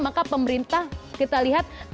maka pemerintah kita lihat